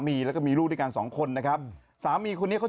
ฮ่าฮ่าฮ่าฮ่าฮ่า